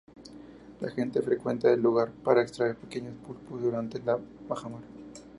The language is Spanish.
La gente frecuenta el lugar para extraer pequeños pulpos durante la bajamar.